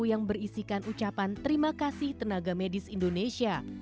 yang berisikan ucapan terima kasih tenaga medis indonesia